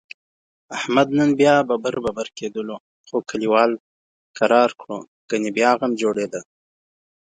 احمد نن بیا ببر ببر کېدلو، خو کلیوالو کرارکړ؛ گني بیا غم جوړیدا.